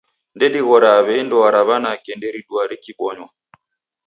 Ndedighroaa w'ei ndoa ra w'anake nderiduaa rikibonywa.